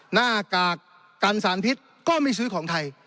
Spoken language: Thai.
หน้ากากกันสารพิษก็ไม่ซื้อของไทย